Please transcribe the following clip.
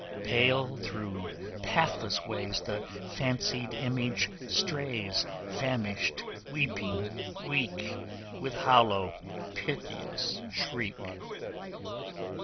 Pale through pathless ways The fancied image strays, Famished, weeping, weak, With hollow piteous shriek.